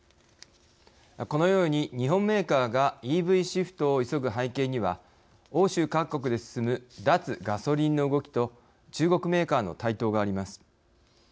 このように日本メーカーがＥＶシフトを急ぐ背景には欧州各国で進む脱ガソリンの動きと中国メーカーの台頭があります。